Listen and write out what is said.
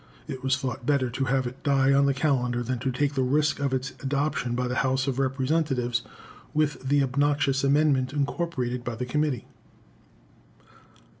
It was thought better to have it die on the calendar than to take the risk of its adoption by the House of Representatives with the obnoxious amendment incorporated by the committee.